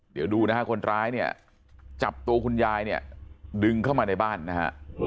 เดี๋ยวดูนะฮะคนร้ายเนี่ยจับตัวคุณยายเนี่ยดึงเข้ามาในบ้านนะฮะ